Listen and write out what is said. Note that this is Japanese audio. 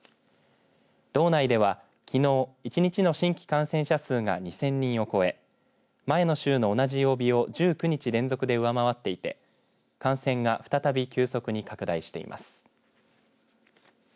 道内では、きのう１日の新規感染者数が２０００人を超え前の週の同じ曜日を１９日、連続で上回っていて感染が再び急速に拡大しています。